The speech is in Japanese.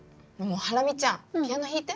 ハラミちゃんピアノ弾いて。